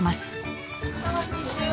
こんにちは。